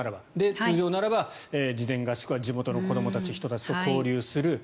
通常ならば事前合宿は地元の子どもたち、人達と交流する。